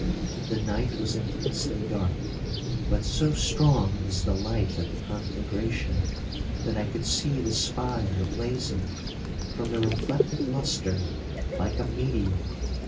The night was intensely dark, but so strong was the light of the conflagration, that I could see the spire blazing, from the reflected lustre, like a meteor.